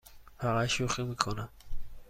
فقط شوخی می کنم.